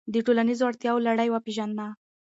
د ټولنیزو اړتیاوو لړۍ وپیژنه.